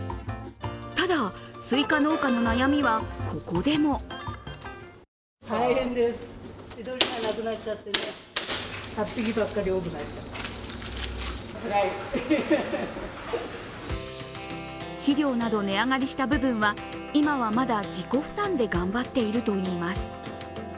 ただ、すいか農家の悩みはここでも肥料など値上がりした部分は今はまだ自己負担で頑張っているといいます。